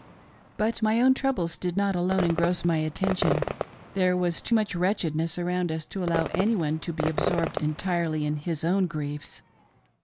" But my own troubles did not alone engross my attention ; there was too much»wretchedness around us to allow anyone to be absorbed entirely in his own griefs.